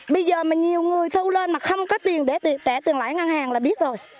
bây giờ mà nhiều người thu lên mà không có tiền để trả tiền lãi ngân hàng là biết rồi